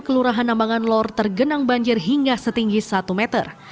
kelurahan nambangan lor tergenang banjir hingga setinggi satu meter